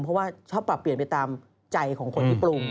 เพราะว่าชอบปรับเปลี่ยนไปตามใจของคนที่ปรุง